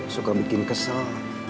suka bikin kesel